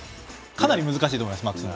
かなり難しいと思います。